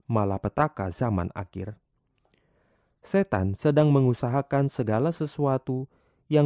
sampai jumpa di video selanjutnya